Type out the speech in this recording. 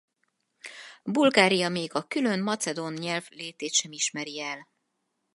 Bulgária még a külön macedón nyelv létét sem ismeri el.